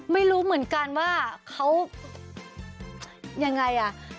ไม่รู้เหมือนกันว่าเขาอย่างไร